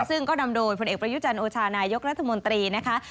ซึ่งก็นำโดยผลเอกประยุจันทร์โอชานายกรัฐมนตรีนะคะ